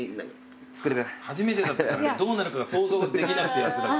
初めてだったからどうなるかが想像できなくて。